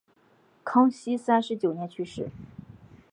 康熙三十九年去世。